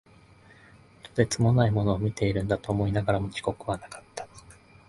とてつもないものを見ているんだと思いながらも、自覚はなかった。